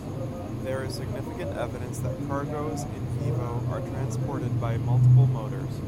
There is significant evidence that cargoes in-vivo are transported by multiple motors.